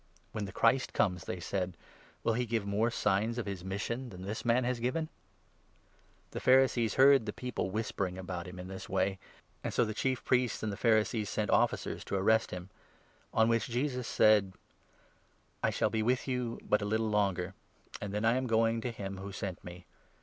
"When the Christ comes," they said, "will he give more signs of his mission than this man has given ?" The Pharisees heard the people whispering about him in this 32 way, and so the Chief Priests and the Pharisees sent officers to arrest him ; on which Jesus said : 33 " I shall be with you but a little longer, and then I am going to him who sent me.